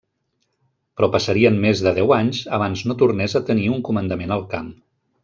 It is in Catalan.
Però passarien més de deu anys abans no tornés a tenir un comandament al camp.